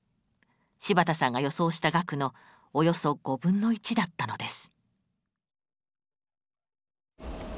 柴田さんが予想した額のおよそ５分の１だったのです。